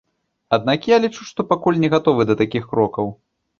Аднак я лічу, што пакуль не гатовы да такіх крокаў.